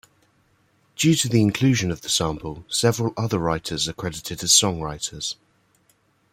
Due to the inclusion of the sample, several other writers are credited as songwriters.